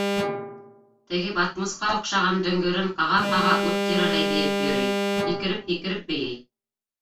Теге батмусҡа оҡшаған дөңгөрөн ҡаға-ҡаға, ут тирәләй бейеп йөрөй. һикереп-һикереп бейей.